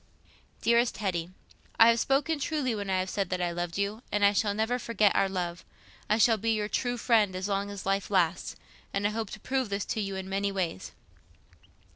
"DEAREST HETTY—I have spoken truly when I have said that I loved you, and I shall never forget our love. I shall be your true friend as long as life lasts, and I hope to prove this to you in many ways.